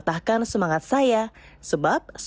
jalan b umah frame s